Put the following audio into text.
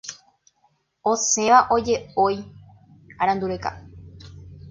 Osẽva oje’ói arandu reka;